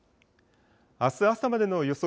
あす朝までの予想